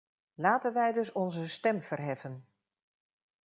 Laten wij dus onze stem verheffen.